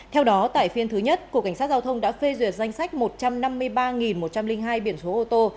theo đó tại phiên thứ nhất cục cảnh sát giao thông đã phê duyệt danh sách một trăm năm mươi ba một trăm linh hai biển số ô tô